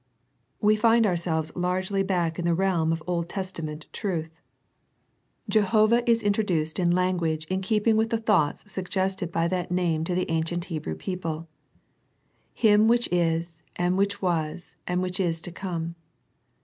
We find our selves largely back in the realm of Old Testa Introductory 9 ment truth. Jehovah is introduced in language in keeping with the thoughts suggested by that name to the ancient Hebrew people, " Him which is and which was and which is to come."